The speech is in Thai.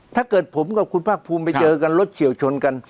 ถ้าเกิดผมกับคุณภาคภูมิไปเจอกันรถเฉียวชนกัน